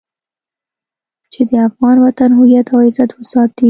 چې د افغان وطن هويت او عزت وساتي.